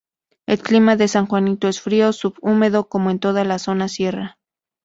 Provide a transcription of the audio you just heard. El clima de San Juanito es frío sub-húmedo como en toda la zona sierra.